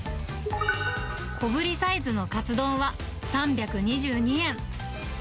小ぶりサイズのカツ丼は３２２円。